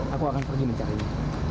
aku akan pergi mencari dia